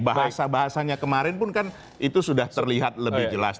bahasa bahasanya kemarin pun kan itu sudah terlihat lebih jelas